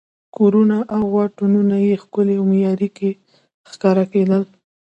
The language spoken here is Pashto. کورونه او واټونه یې ښکلي او معیاري ښکارېدل.